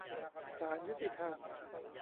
ศาลยุติธรรม